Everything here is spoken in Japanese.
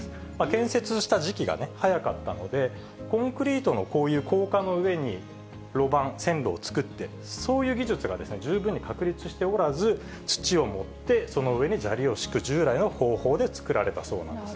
建設した時期が早かったので、コンクリートのこういう高架の上に路盤、線路を作って、そういう技術が十分に確立しておらず、土を盛って、その上に砂利を敷く、従来の工法で作られたそうなんです。